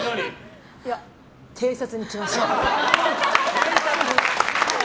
いや、偵察に来ました。